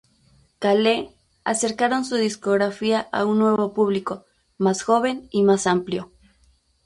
Cale", acercaron su discografía a un nuevo público, más joven y más amplio.